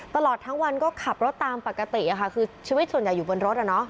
ตลอดทั้งวันก็ขับรถตามปกติค่ะคือชีวิตส่วนใหญ่อยู่บนรถ